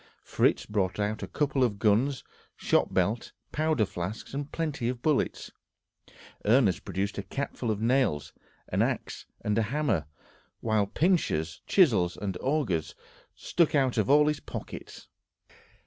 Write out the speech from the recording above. Fritz brought out a couple of guns, shot belt, powder flasks, and plenty of bullets. Ernest produced a cap full of nails, an axe and a hammer, while pinchers, chisels, and augers stuck out of all his pockets.